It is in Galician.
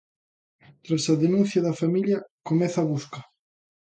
Tras a denuncia da familia, comeza a busca.